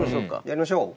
やりましょう！